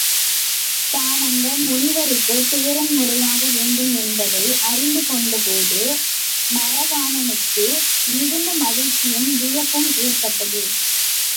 தான் அந்த முனிவருக்குப் பேரன் முறையாக வேண்டும் என்பதை அறிந்து கொண்டபோது, நரவாணனுக்கு மிகுந்த மகிழ்ச்சியும் வியப்பும் ஏற்பட்டது.